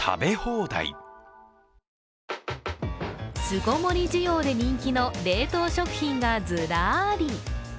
巣ごもり需要で人気の冷凍食品がズラリ。